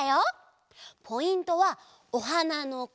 ポイントはおはなのここ！